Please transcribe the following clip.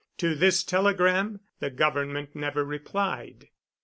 To this telegram the government never replied.